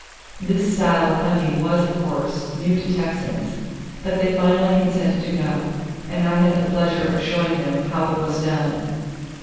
This style of hunting was, of course, new to the Texans, but they finally consented to go, and I had the pleasure of showing them how it was done.